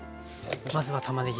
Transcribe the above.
まずはたまねぎ。